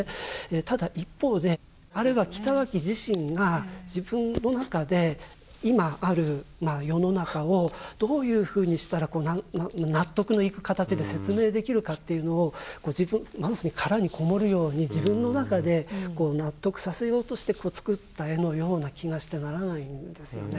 ただ一方であれは北脇自身が自分の中で今ある世の中をどういうふうにしたら納得のいく形で説明できるかっていうのをまさに殻に籠もるように自分の中で納得させようとして作った絵のような気がしてならないんですよね。